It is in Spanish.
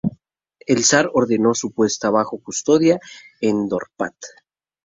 El zar ordenó su puesta bajo custodia en Dorpat.